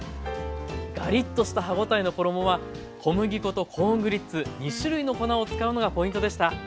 ガリッとした歯応えの衣は小麦粉とコーングリッツ２種類の粉を使うのがポイントでした。